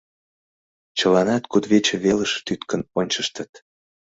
Чыланат кудывече велыш тӱткын ончыштыт.